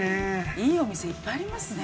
いいお店いっぱいありますね